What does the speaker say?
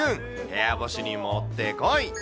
部屋干しにもってこい。